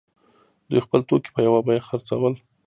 دوی خپل توکي په یوه بیه خرڅول.